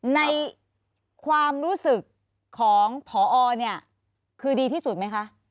ในความรู้สึกของพอเนี่ยคือดีที่สุดไหมคะ